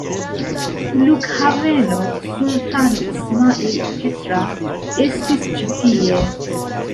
Flughaveno "Sultano Ismail Petra" estas ĉi tie.